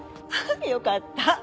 よかった。